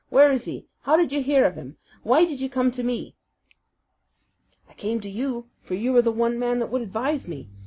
Where is he? How did you hear of him? Why did you come to me?" "I came to you; for you are the one man that would advise me.